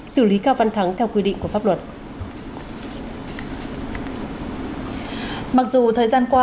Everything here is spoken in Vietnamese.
xử lý cao văn thắng theo quy định